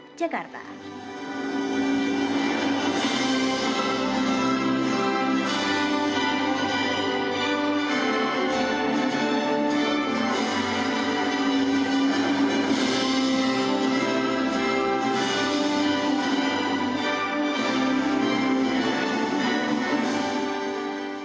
jangan lupa like subscribe dan share video ini